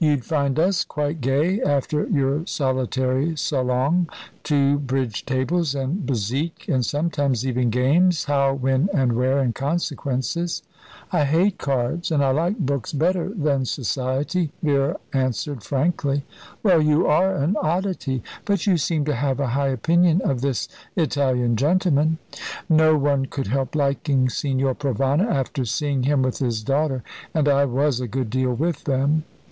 "You'd find us quite gay after your solitary salong. Two bridge tables, and besique, and sometimes even games, How, when, and where, and Consequences." "I hate cards, and I like books better than society," Vera answered frankly. "Well, you are an oddity. But you seem to have a high opinion of this Italian gentleman." "No one could help liking Signor Provana after seeing him with his daughter and I was a good deal with them."